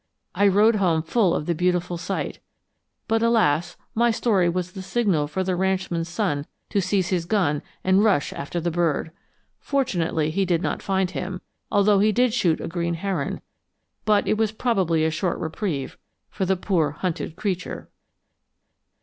I rode home full of the beautiful sight, but alas, my story was the signal for the ranchman's son to seize his gun and rush after the bird. Fortunately he did not find him, although he did shoot a green heron; but it was probably a short reprieve for the poor hunted creature.